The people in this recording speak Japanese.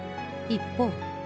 一方